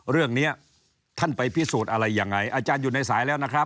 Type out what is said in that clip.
เรื่องนี้ท่านไปพิสูจน์อะไรยังไงอาจารย์อยู่ในสายแล้วนะครับ